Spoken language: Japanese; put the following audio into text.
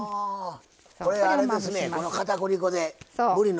これあれですね